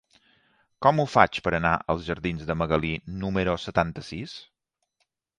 Com ho faig per anar als jardins de Magalí número setanta-sis?